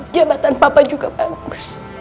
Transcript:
jabatan papa juga bagus